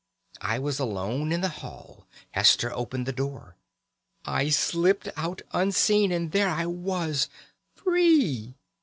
I was alone in the hall, Hester opened the door, I slipped out unseen, and there I was free!